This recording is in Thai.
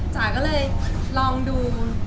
จ๋าก็เลยลองดู